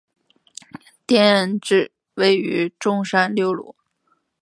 店址位于中山六路。